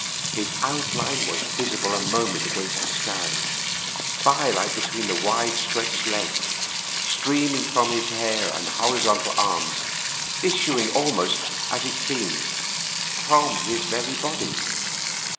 His outline was visible a moment against the sky, firelight between his wide stretched legs, streaming from his hair and horizontal arms, issuing almost, as it seemed, from his very body.